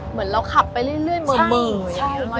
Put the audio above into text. เหมือนเราขับไปเรื่อยเหมือนเบื่ออย่างงี้